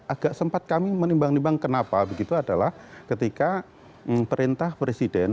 agak sempat kami menimbang nimbang kenapa begitu adalah ketika perintah presiden